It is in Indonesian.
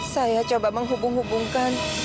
saya coba menghubung hubungkan